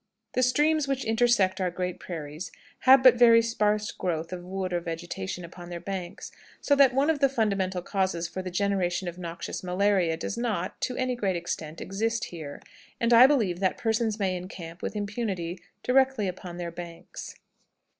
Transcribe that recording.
The streams which intersect our great prairies have but a very sparse growth of wood or vegetation upon their banks, so that one of the fundamental causes for the generation of noxious malaria does not, to any great extent, exist here, and I believe that persons may encamp with impunity directly upon their banks.